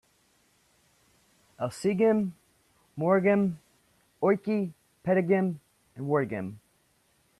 Elsegem, Moregem, Ooike, Petegem and Wortegem.